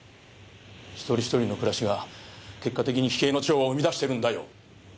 １人１人の暮らしが結果的に奇形の蝶を生み出してるんだよ。